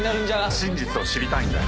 「真実を知りたいんだよ」